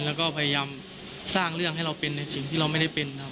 แล้วก็พยายามสร้างเรื่องให้เราเป็นในสิ่งที่เราไม่ได้เป็นนะครับ